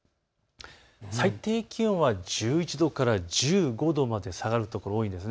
最低気温は１１度から１５度まで下がる所が多いんです。